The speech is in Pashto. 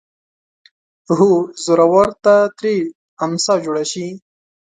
هو زورور ته ترې امسا جوړه شي